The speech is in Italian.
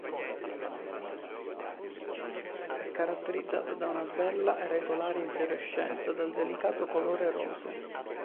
È caratterizzata da una bella e regolare infiorescenza dal delicato colore roseo.